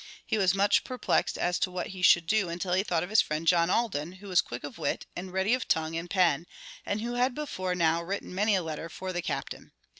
He was much perplexed as to what he should do until he thought of his friend John Alden, who was quick of wit, and ready of tongue and pen, and who had before now written many a letter for the Captain.